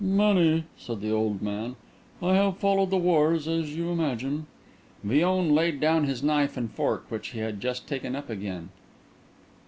"Many," said the old man. "I have followed the wars, as you imagine." Villon laid down his knife and fork, which he had just taken up again.